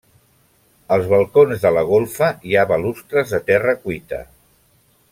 Als balcons de la golfa hi ha balustres de terra cuita.